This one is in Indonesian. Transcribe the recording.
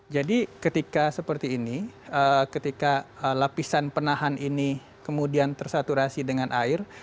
jadi ketika seperti ini ketika lapisan penahan ini kemudian tersaturasi dengan air